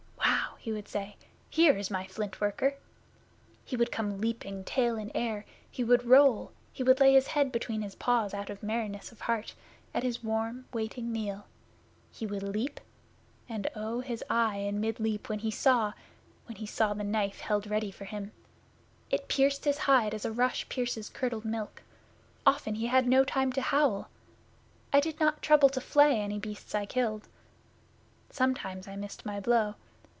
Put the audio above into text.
"Wow!" he would say. "Here is my Flint worker!" He would come leaping, tail in air; he would roll; he would lay his head between his paws out of merriness of heart at his warm, waiting meal. He would leap and, oh, his eye in mid leap when he saw when he saw the knife held ready for him! It pierced his hide as a rush pierces curdled milk. Often he had no time to howl. I did not trouble to flay any beasts I killed. Sometimes I missed my blow.